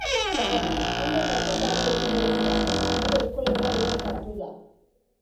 Hango kazetariekin egon da eta hango eskoletan ere sartu da.